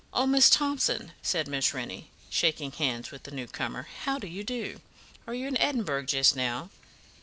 "Oh, Miss Thomson," said Miss Rennie, shaking hands with the new comer, "how do you do? Are you in Edinburgh just now?